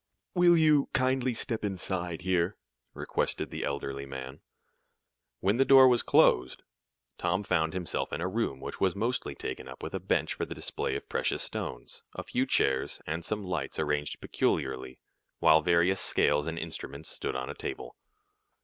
"Will you kindly step inside here?" requested the elderly man. When the door was closed, Tom found himself in a room which was mostly taken up with a bench for the display of precious stones, a few chairs, and some lights arranged peculiarly; while various scales and instruments stood on a table.